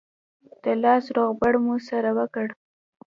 د لاس روغبړ مو سره وکړ.